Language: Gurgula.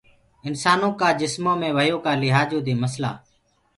انسانآ ڪآ جسمو مينٚ وهيو ڪآ لِهآجو دي مسلآ۔